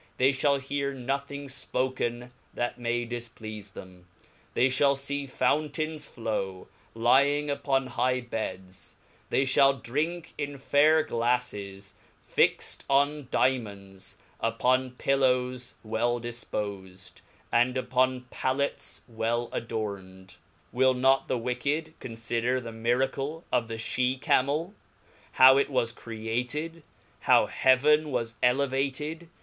they fhall hear nothing fpoken that may difplcafe them ; they fhall fee fountains flow, lying upon high beds, they (hall drink in fair glaflfes, fixed on diaraons, upon pillows well difpofed, and upon pallets will adarned ; will not the wicked confidcr the miracle of the ihe Camel ? how it was created ? how heaven was elevated